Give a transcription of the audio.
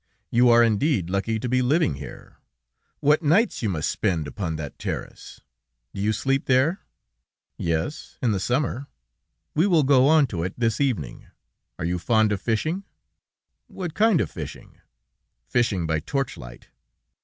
You are indeed lucky to be living here! What nights you must spend upon that terrace! Do you sleep there?" "Yes, in the summer. We will go onto it this evening. Are you fond of fishing?" "What kind of fishing?" "Fishing by torchlight."